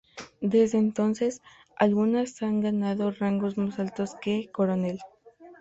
Desde entonces, algunas han ganado rangos más altos que coronel.